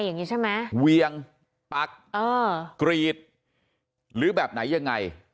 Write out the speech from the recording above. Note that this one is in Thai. อย่างนี้ใช่ไหมเวียงปักกรีดหรือแบบไหนยังไง